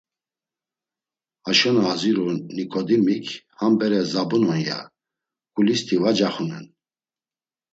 Haşo na aziru Nikodimik Ham bere zabun’on… ya; K̆ulisti va caxunen.”